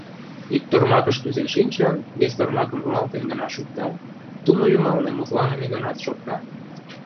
Ик тормакыш кӱзен шинчын, вес тормакым руалтен гына шукта, тумо йымалне мутланыме гынат шокта: